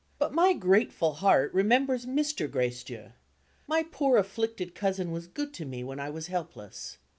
But my grateful heart remembers Mr. Gracedieu. My poor afflicted cousin was good to me when I was helpless.